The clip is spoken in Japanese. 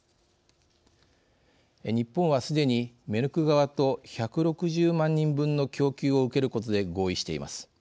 日本はすでにメルク側と１６０万人分の供給を受けることで合意しています。